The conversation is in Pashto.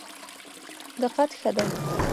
دقت ښه دی.